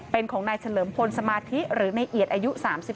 เป็นของนายเฉลิมพลสมาธิหรือในเอียดอายุ๓๒